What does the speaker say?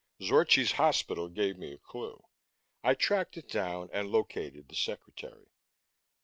Zorchi's hospital gave me a clue; I tracked it down and located the secretary.